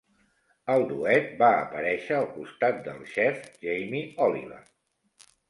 El duet va aparèixer al costat del xef Jamie Oliver.